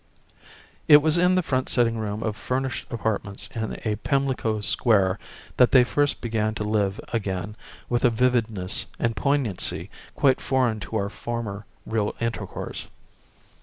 It was in the front sitting room of furnished apartments in a Pimlico square that they first began to live again with a vividness and poignancy quite foreign to our former real intercourse.